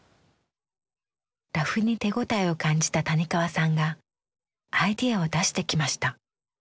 ラフに手応えを感じた谷川さんがアイデアを出してきました。